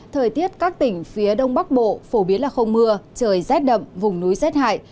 thời tiết các tỉnh phía đông bắc bộ phổ biến là không mưa trời rét đậm vùng núi rét hại